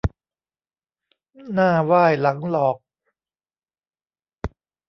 หน้าไหว้หลังหลอก